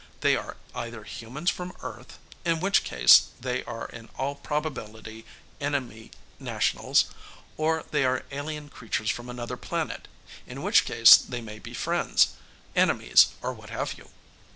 They are either humans from Earth in which case they are in all probability enemy nationals or they are alien creatures from another planet in which case they may be friends, enemies or what have you.